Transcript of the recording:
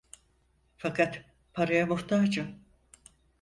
Fakat paraya muhtacım…